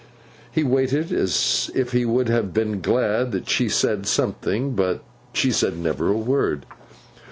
He waited, as if he would have been glad that she said something. But she said never a word.